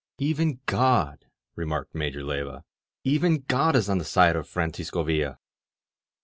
"Even God,*' re marked Major Lejrva, ^^even God is on the side of Francisco Villa!"